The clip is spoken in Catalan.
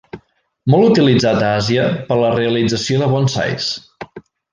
Molt utilitzat a Àsia per a la realització de bonsais.